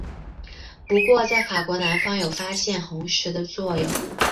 不过在法国南方有发现红赭的使用。